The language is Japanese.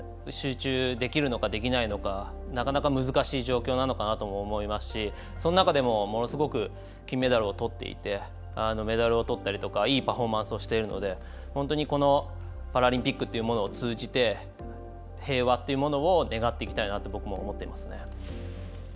集中できるのかできないのかなかなか難しい状況なのかなとも思いますしその中でも、ものすごく金メダルを取っていてメダルを取ったりとかいいパフォーマンスをしているので本当にこのパラリンピックというものを通じて平和というものを願っていきたいなと僕も思っていますね。